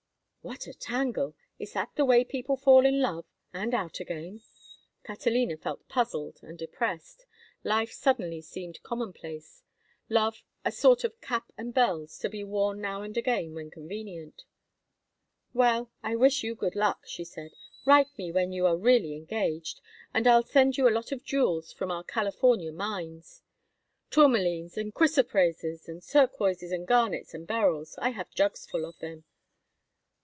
"What a tangle! Is that the way people fall in love—and out again?" Catalina felt puzzled and depressed. Life suddenly seemed commonplace, love a sort of cap and bells, to be worn now and again when convenient. "Well, I wish you good luck," she said. "Write me when you are really engaged, and I'll send you a lot of jewels from our California mines—tourmalines and chrysoprases and turquoises and garnets and beryls. I have jugs full of them."